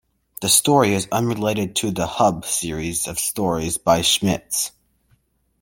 The story is unrelated to the "Hub" series of stories by Schmitz.